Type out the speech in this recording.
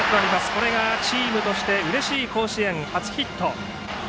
これがチームとしてうれしい甲子園初ヒット。